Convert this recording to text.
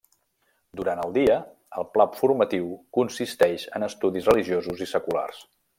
Durant el dia, el pla formatiu consisteix en estudis religiosos i seculars.